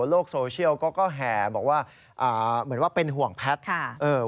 โลกโซเชียลก็แห่บอกว่าเหมือนว่าเป็นห่วงแพทย์